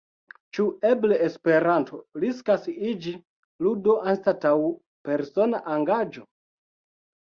Ĉu eble Esperanto riskas iĝi ludo anstataŭ persona engaĝo?